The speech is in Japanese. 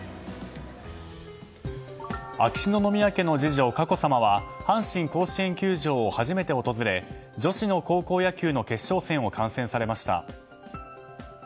秋篠宮家の次女・佳子さまは阪神甲子園球場を初めて訪れ女子の高校野球の決勝戦を観戦されました。